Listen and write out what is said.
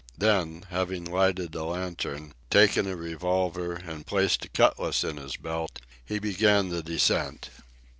Then, having lighted a lantern, taken a revolver, and placed a cutlass in his belt, he began the descent.